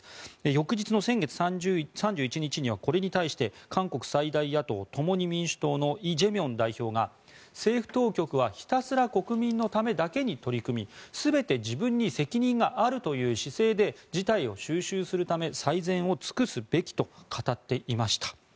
翌日の先月３１日にはこれに対して韓国最大野党・共に民主党のイ・ジェミョン代表が政府当局はひたすら国民のためだけに取り組み全て自分に責任があるという姿勢で事態を収拾するため最善を尽くすべきと語っていました。